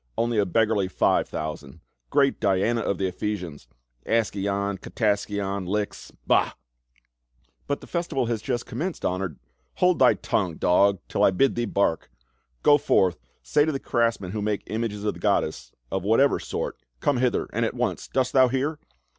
Only a beggarly five thousand ! Great Diana of the Epliosians ! Askion, Kataskion, Lix !— Bah !" "But the festival has but just commenced, hon ored —" "GREAT DLINA OF THE EPHESIANS!" 367 " Hold thy tongue, dog, till I bid thee bark. Go forth, say to the craftsmen who make images of the goddess — of whatever sort — come hither, and at once. Dost thou hear?"